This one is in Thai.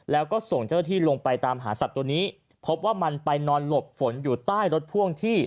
แล้วก็ส่งเจ้าหน้าที่ลงไปตามหาสัตว์ตัวนี้พบว่ามันไปนอนหลบฝนอยู่ใต้รถพ่วงที่